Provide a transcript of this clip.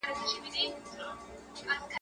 نه سره لمبه، نه پروانه سته زه به چیري ځمه.